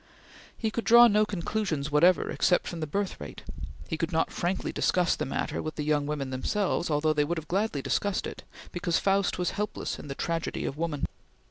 He could draw no conclusions whatever except from the birth rate. He could not frankly discuss the matter with the young women themselves, although they would have gladly discussed it, because Faust was helpless in the tragedy of woman.